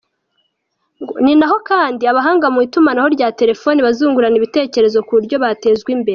Ni naho kandi abahanga mu itumanaho rya telefone bazungurana ibitekerezo ku buryo byatezwa imbere.